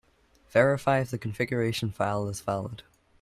Verify if the configuration file is valid.